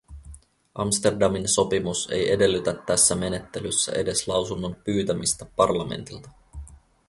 Amsterdamin sopimus ei edellytä tässä menettelyssä edes lausunnon pyytämistä parlamentilta.